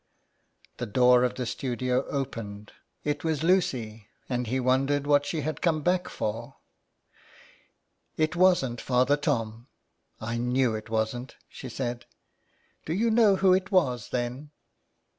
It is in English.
'' The door of the studio opened. It was Lucy ; and he wondered what she had come back for. " It wasn't Father Tom. I knew it wasn't," she said. " Do you know who it was then